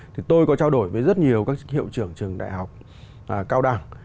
thì tôi có trao đổi với rất nhiều các hiệu trưởng trường đại học cao đẳng